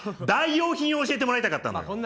代用品を教えてもらいたかったんだよ。